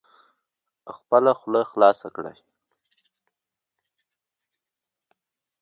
خپله خوله خلاصه کړئ